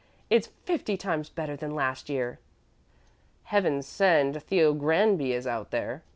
"It's fifty times better than last year!" "Heaven send Theo Granby is out there!"